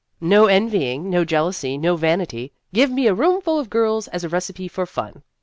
" No envying, no jealousy, no vanity. Give me a roomful of girls as a recipe for fun."